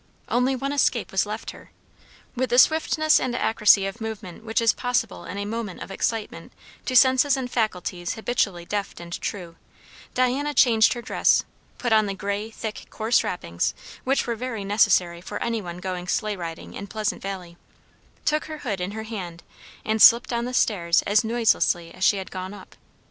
Only one escape was left her. With the swiftness and accuracy of movement which is possible in a moment of excitement to senses and faculties habitually deft and true, Diana changed her dress, put on the grey, thick, coarse wrappings which were very necessary for any one going sleigh riding in Pleasant Valley, took her hood in her hand, and slipped down the stairs as noiselessly as she had gone up.